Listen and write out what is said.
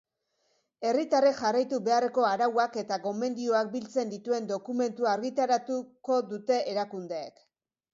Herritarrek jarraitu beharreko arauak eta gomendioak biltzen dituen dokumentua argitaratuko dute erakundeek.